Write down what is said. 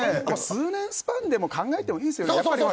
数年スパンで考えてもいいですよね。